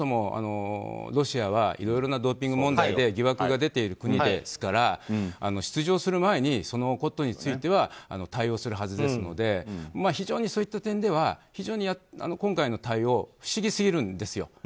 そもそもロシアはいろいろなドーピング問題で疑惑が出ている国ですから出場する前にそのことについては対応するはずですのでそういった点では非常に今回の対応は不思議すぎるんですよ。